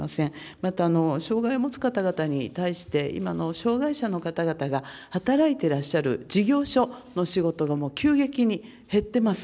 また障害を持つ方々に対して、今の障害者の方々が働いてらっしゃる事業所の仕事がもう急激に減ってます。